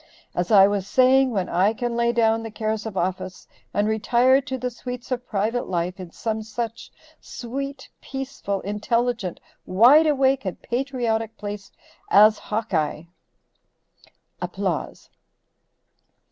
As I was saying, when I can lay down the cares of office and retire to the sweets of private life in some such sweet, peaceful, intelligent, wide awake and patriotic place as Hawkeye.